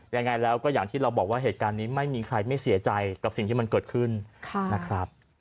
ยังไงแล้วก็อย่างที่เราบอกว่าเหตุการณ์นี้ไม่มีใครไม่เสียใจกับสิ่งที่มันเกิดขึ้นนะครับ